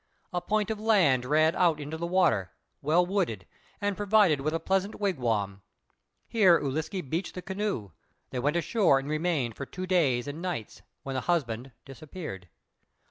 A point of land ran out into the water, well wooded and provided with a pleasant wigwam. Here Ūliske beached the canoe; they went ashore and remained for two days and nights, when the husband disappeared.